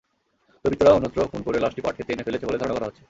দুবৃর্ত্তরা অন্যত্র খুন করে লাশটি পাটখেতে এনে ফেলেছে বলে ধারণা করা হচ্ছে।